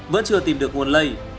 vẫn chưa tìm được nguồn lây